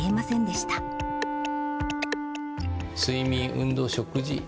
睡眠、運動、食事。